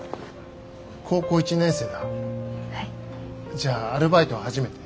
じゃあアルバイトは初めて？